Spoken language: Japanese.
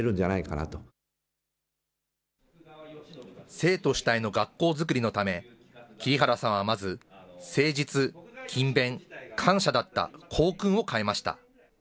生徒主体の学校作りのため、桐原さんはまず、誠実・勤勉・感謝だった校訓を変えました。